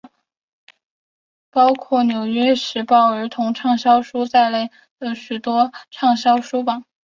登上了包括纽约时报儿童畅销书在内的许多畅销书榜。